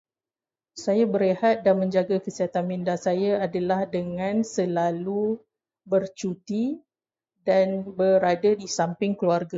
Saya berehat dan menjaga kesihatan minda saya adalah dengan selalu bercuti dan berada di samping keluarga.